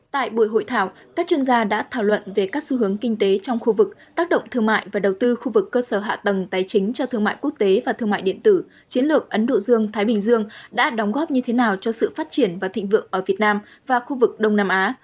tại buổi hội thảo các chuyên gia đã thảo luận về các xu hướng kinh tế trong khu vực tác động thương mại và đầu tư khu vực cơ sở hạ tầng tài chính cho thương mại quốc tế và thương mại điện tử chiến lược ấn độ dương thái bình dương đã đóng góp như thế nào cho sự phát triển và thịnh vượng ở việt nam và khu vực đông nam á